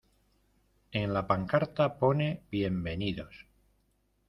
en la pancarta pone bienvenidos.